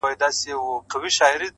• خلک غوټۍ ته روڼي شپې کړي,